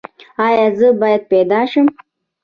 ایا زه باید پیدا شم؟